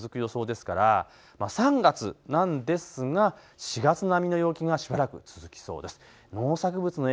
平年よりも２、３度高い状況、続く予想ですから３月なんですが４月並みの陽気がしばらく続きそうです。